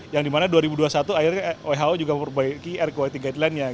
yang dimana dua ribu dua puluh satu akhirnya who juga memperbaiki air quality guideline nya